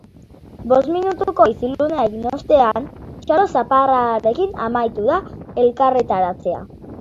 Bost minutuko isilunea egin ostean, txalo zaparradarekin amaitu da elkarretaratzea.